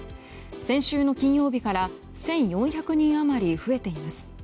先週の金曜日から１４００人余り増えています。